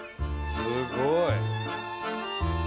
すごい！